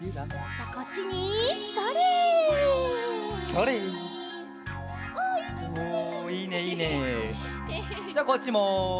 じゃこっちも。